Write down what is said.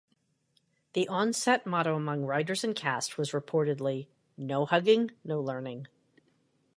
The on-set motto among writers and cast was reportedly No hugging, no learning.